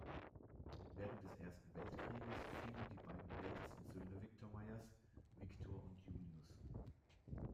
Während des Ersten Weltkrieges fielen die beiden ältesten Söhne Victor Mayers, Victor und Julius.